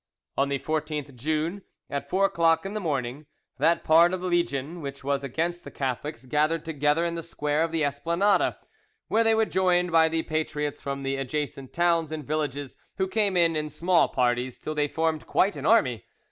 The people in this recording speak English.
On the 14th June, at four o'clock in the morning, that part of the legion which was against the Catholics gathered together in the square of the Esplanade, where they were joined by the patriots from the adjacent towns and villages, who came in in small parties till they formed quite an army.